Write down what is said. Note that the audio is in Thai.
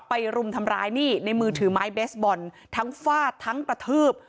รุมทำร้ายนี่ในมือถือไม้เบสบอลทั้งฟาดทั้งกระทืบ